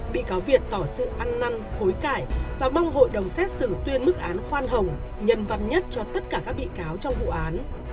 bị cáo việt tỏ sự ăn năn hối cải và mong hội đồng xét xử tuyên mức án khoan hồng nhân văn nhất cho tất cả các bị cáo trong vụ án